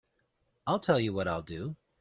I'll tell you what I'll do.